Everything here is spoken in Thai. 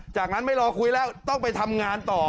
จากนั้นไม่รอคุยแล้วต้องไปทำงานต่อ